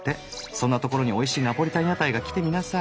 そんな所においしいナポリタン屋台が来てみなさい。